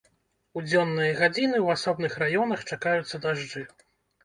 У дзённыя гадзіны ў асобных раёнах чакаюцца дажджы.